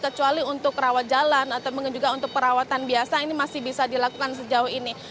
kecuali untuk rawat jalan atau mungkin juga untuk perawatan biasa ini masih bisa dilakukan sejauh ini